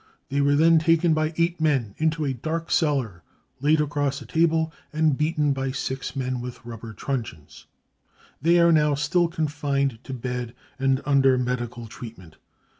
They were then taken by eight men into a dark cellar, laid across a table, and beaten by six men with rubber truncheons. They are now still confined to bed and under medical treatment.